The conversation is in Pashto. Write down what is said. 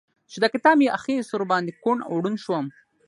چې دا کتاب مې اخيست؛ ور باندې کوڼ او ړونډ شوم.